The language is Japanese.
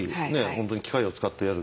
本当に機械を使ってやる。